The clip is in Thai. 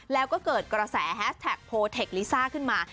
แล้วก็เกิดกระแสแฮสแท็กโพเทคลิซ่าขึ้นมา